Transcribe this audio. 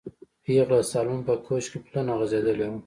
پېغله د سالون په کوچ کې پلنه غځېدلې وه.